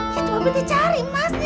ya itu papi cari mas